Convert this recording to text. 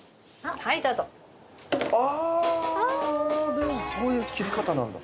でもそういう切り方なんだ。